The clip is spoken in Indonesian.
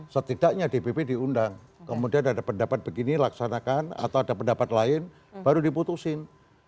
setidaknya dpp diundang kemudian ada pendapat begini laksanakan atau ada pendapat lain baru diputusin